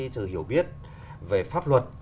sự hiểu biết về pháp luật